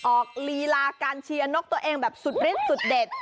ลีลาการเชียร์นกตัวเองแบบสุดฤทธิสุดเด็ด